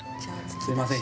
すみません